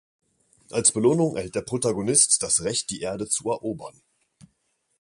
Als Belohnung erhält der Protagonist das Recht, die Erde zu erobern.